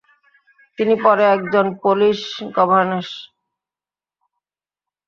তিনি পরে একজন পোলিশ গভারনেস